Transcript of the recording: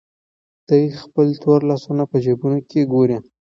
دی خپل تور لاسونه په جېبونو کې ګوري.